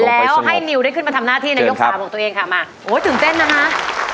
แล้วให้นิวได้ขึ้นมาทำหน้าที่ในยกสามของตัวเองค่ะมาโอ้ยตื่นเต้นนะคะ